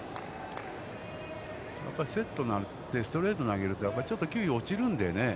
やっぱりセットになって、ストレートを投げると、やっぱりちょっと球威が落ちるんでね。